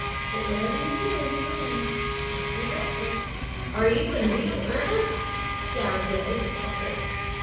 But whatever you do, mind don't be reckless." "Are you in real earnest?" Chia Jui inquired.